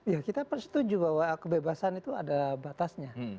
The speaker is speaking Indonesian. ya kita setuju bahwa kebebasan itu ada batasnya